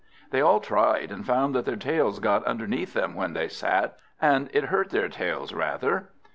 They all tried, and found that their tails got underneath them when they sat, and it hurt their tails rather.